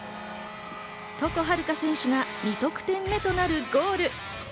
床秦留可選手が２得点目となるゴール。